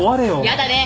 やだね。